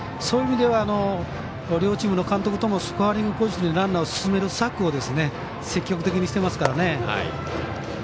そういう意味では両チームの監督ともスコアリングポジションにランナーを進める策を積極的にしていますからね。